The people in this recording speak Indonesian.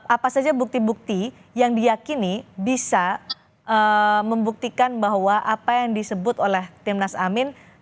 apa saja bukti bukti yang diyakini bisa membuktikan bahwa apa yang disebut oleh tim nas amin